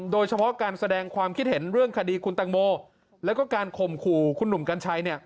โดยเฉพาะการแสดงความคิดเห็นเรื่องคดีคุณตังโมแล้วก็การข่มขู่คุณหนุ่มกัญชัย